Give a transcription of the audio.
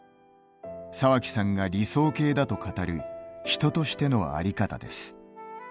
沢木さんが理想形だと語る人としての在り方です。